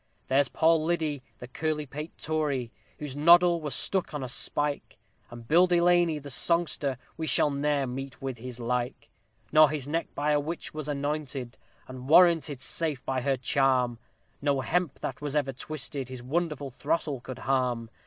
There's PAUL LIDDY, the curly pate Tory, whose noddle was stuck on a spike, And BILLY DELANEY, the "Songster," we never shall meet with his like; For his neck by a witch was anointed, and warranted safe by her charm, No hemp that was ever yet twisted his wonderful throttle could harm.